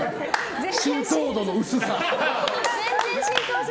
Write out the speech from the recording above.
浸透度の薄さ。